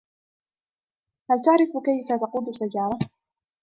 هل تعرف كيف تقود سيارة ؟